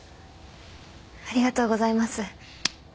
ありがとうございます。